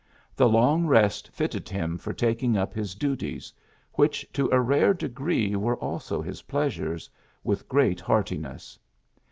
The long rest fitted him for taking up his duties which to a rare degree were also his pleasures with great hearti ness.